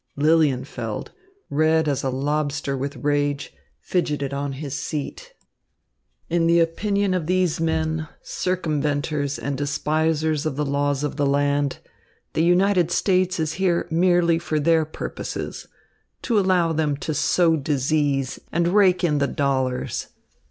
Lilienfeld, red as a lobster with rage, fidgeted on his seat. "In the opinion of these men, circumventers and despisers of the laws of the land, the United States is here merely for their purposes, to allow them to sow disease and rake in the dollars.